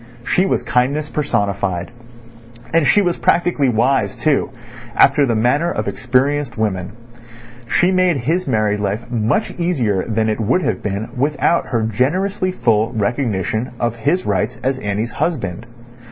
She was kindness personified. And she was practically wise too, after the manner of experienced women. She made his married life much easier than it would have been without her generously full recognition of his rights as Annie's husband.